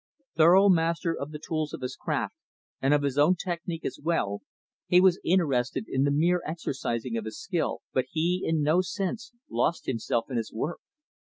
Thorough master of the tools of his craft, and of his own technic, as well; he was interested in the mere exercising of his skill, but he in no sense lost himself in his work.